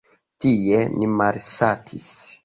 Tie ni malsatis.